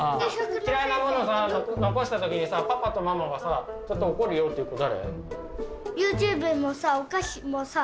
嫌いなもの残したときにさパパとママはさちょっと怒るよっていう子誰？